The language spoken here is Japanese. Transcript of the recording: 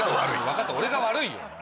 分かった俺が悪いよ。